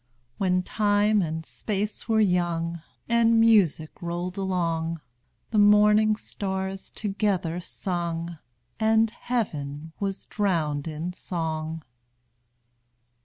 When time and space were young, And music rolled along, The morning stars together sung, And heaven was drowned in song.